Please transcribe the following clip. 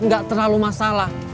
gak terlalu masalah